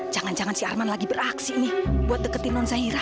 jangan jangan si arman lagi beraksi nih buat deketin non saira